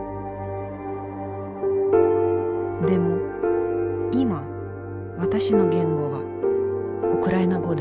でも今私の言語はウクライナ語だ。